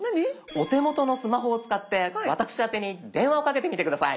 お手元のスマホを使って私あてに電話をかけてみて下さい。